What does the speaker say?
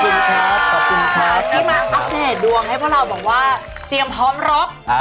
ที่มาอักแหน่ดดวงให้พวกเราบอกว่าเตรียมพร้อมรบ